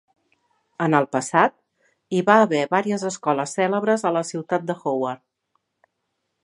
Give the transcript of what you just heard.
En el passat, hi va haver vàries escoles cèlebres a la ciutat de Howard.